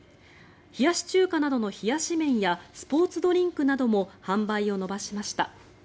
冷やし中華などの冷やし麺やスポーツドリンクなども販売を伸ばしました。